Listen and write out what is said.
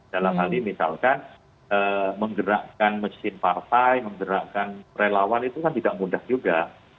dalam hal ini misalkan menggerakkan mesin partai menggerakkan relawan itu kan tidak mudah juga